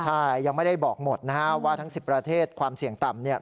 ใช่ยังไม่ได้บอกหมดนะฮะว่าทั้ง๑๐ประเทศความเสี่ยงต่ำเนี่ย